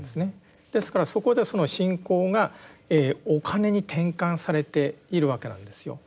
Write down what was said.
ですからそこでその信仰がお金に転換されているわけなんですよ。